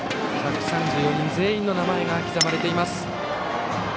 １３４人全員の名前が刻まれています。